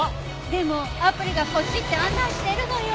でもアプリがこっちって案内してるのよ。